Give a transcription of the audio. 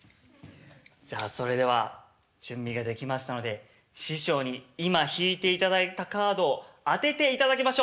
じゃあそれでは準備ができましたので師匠に今引いていただいたカードを当てていただきましょう！